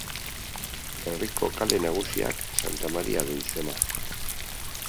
Herriko kale nagusiak Santa Maria du izena.